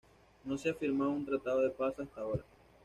No se ha firmado un tratado de paz hasta ahora.